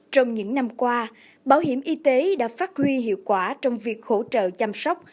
trong những năm qua bảo hiểm y tế đã phát huy hiệu quả trong việc hỗ trợ chăm sóc